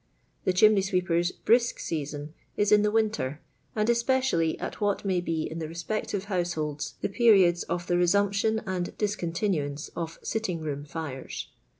The chimney sweepers* hri*k seMon is in the winter, and especially at what may be in the respective households the periods of the resom^ tion and discontinuance of sittinar room fires.